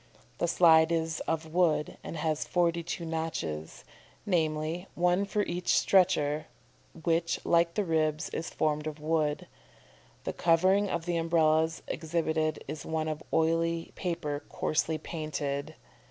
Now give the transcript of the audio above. The slide is of wood, and has forty two notches, namely, one for each stretcher, which like the ribs, is formed of wood. The covering of the Umbrellas exhibited is of oiled paper coarsely painted."